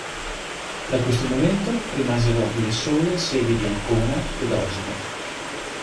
Da questo momento rimasero le sole sedi di Ancona ed Osimo.